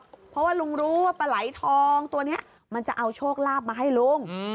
เพราะว่าลุงรู้ว่าปลาไหลทองตัวนี้มันจะเอาโชคลาภมาให้ลุง